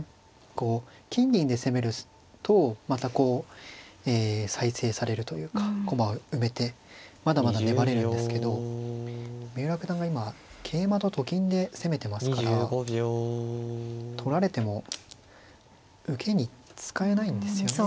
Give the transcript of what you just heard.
こう金銀で攻めるとまたこうえ再生されるというか駒を埋めてまだまだ粘れるんですけど三浦九段が今桂馬とと金で攻めてますから取られても受けに使えないんですよね。